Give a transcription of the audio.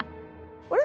あれ？